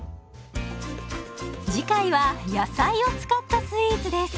次回は野菜を使ったスイーツです。